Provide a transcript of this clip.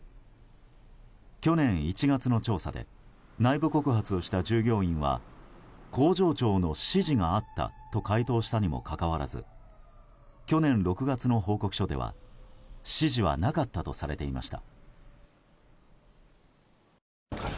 去年１月の調査で内部告発をした従業員は工場長の指示があったと回答したにもかかわらず去年６月の報告書では指示はなかったとされていました。